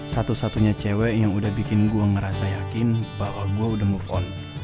satu satunya cewek yang sudah hidup saya merasa yakin bahwa saya sudah berukuran